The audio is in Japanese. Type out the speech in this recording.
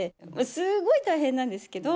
すごい大変なんですけど。